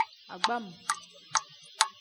Agbam.